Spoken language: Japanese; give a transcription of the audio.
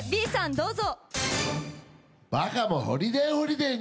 どうぞ！